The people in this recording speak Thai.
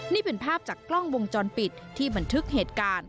นี่เป็นภาพจากกล้องวงจรปิดที่บันทึกเหตุการณ์